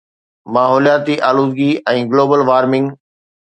ماحولياتي آلودگي ۽ global warming